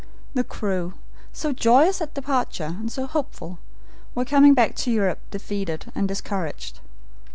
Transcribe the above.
The crew, so joyous at departure and so hopeful, were coming back to Europe defeated and discouraged.